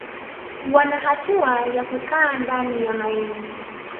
Wana hatua ya kukaa ndani ya maini